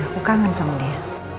aku kangen sama dia